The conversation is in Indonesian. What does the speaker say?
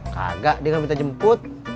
kagak dia gak minta jemput